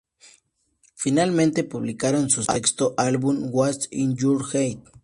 Finalmente publicaron su sexto álbum, "What's In Your Head?